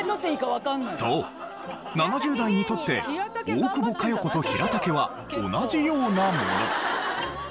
そう７０代にとって大久保佳代子とヒラタケは同じようなもの。